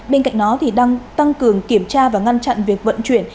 bên cạnh đó đang tăng cường kiểm tra và ngăn chặn việc vận chuyển